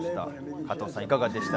加藤さん、いかがでしたか？